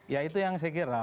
ya itu yang saya kira